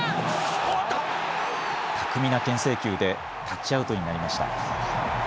巧みなけん制球でタッチアウトになりました。